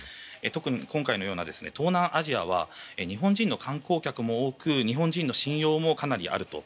今回のような東南アジアは日本人の観光客も多く日本人の信用もかなりあると。